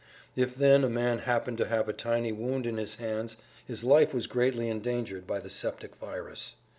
If then a man happened to have a tiny wound in his hands his life was greatly endangered by the septic virus.